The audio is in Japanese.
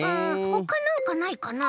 ほかなんかないかな？